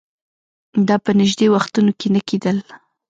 دا په نژدې وختونو کې نه کېدل